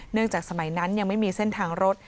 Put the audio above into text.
จากสมัยนั้นยังไม่มีเส้นทางรถ